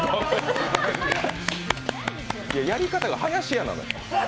いや、やり方が林家なのよ。